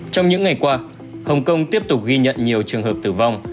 trong những ngày qua hồng kông tiếp tục ghi nhận nhiều trường hợp tử vong